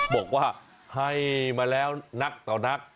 บอกว่าให้มาแล้วนักต่อนัก